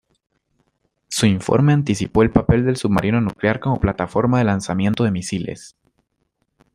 Su informe anticipó el papel del submarino nuclear como plataforma de lanzamiento de misiles.